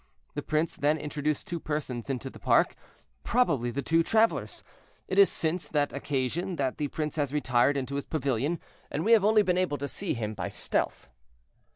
The prince then introduced two persons into the park—probably the two travelers; it is since that occasion that the prince has retired into his pavilion, and we have only been able to see him by stealth."